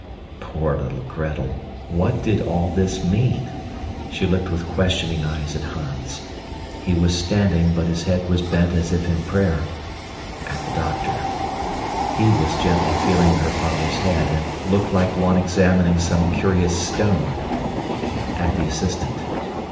Poor little Gretel! What did all this mean? She looked with questioning eyes at Hans; he was standing, but his head was bent as if in prayer at the doctor. He was gently feeling her father's head and looked like one examining some curious stone at the assistant.